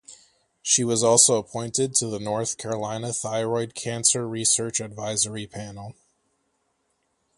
She was also appointed to the North Carolina Thyroid Cancer Research Advisory Panel.